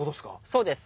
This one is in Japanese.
そうです。